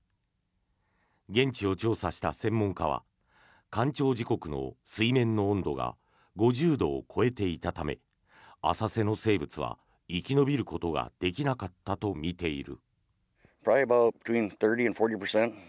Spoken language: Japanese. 現地を調査した専門家は干潮時刻の水面の温度が５０度を超えていたため浅瀬の生物は生き延びることができなかったとみている。